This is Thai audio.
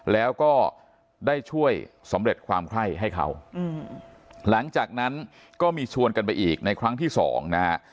แล้วก็ได้ช่วยสำเร็จความไข้ให้เขาหลังจากนั้นก็มีชวนกันไปอีกในครั้งที่สองนะฮะ